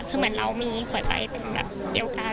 คือเหมือนเรามีหัวใจเป็นแบบเดียวกัน